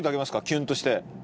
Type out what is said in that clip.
キュンとして。